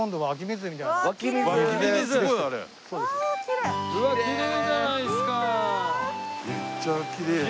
めっちゃきれい。